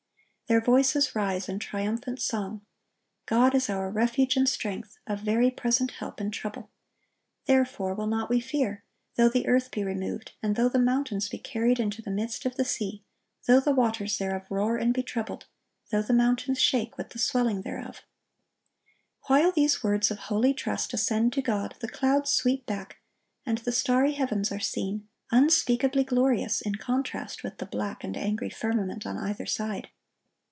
Their voices rise in triumphant song: "God is our refuge and strength, a very present help in trouble. Therefore will not we fear, though the earth be removed, and though the mountains be carried into the midst of the sea; though the waters thereof roar and be troubled, though the mountains shake with the swelling thereof."(1100) While these words of holy trust ascend to God, the clouds sweep back, and the starry heavens are seen, unspeakably glorious in contrast with the black and angry firmament on either side.